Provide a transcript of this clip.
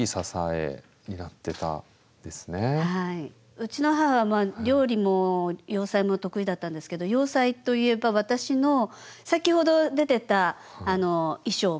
うちの母は料理も洋裁も得意だったんですけど洋裁といえば私の先ほど出てた衣装も母が作ったんですけど。